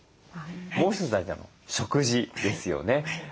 もう一つ大事なのは食事ですよね。